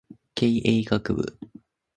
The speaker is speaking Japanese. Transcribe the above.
経営学部